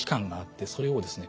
それをですね